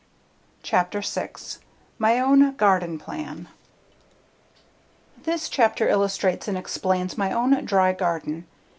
Chapter 6 My Own Garden Plan This chapter illustrates and explains my own dry garden.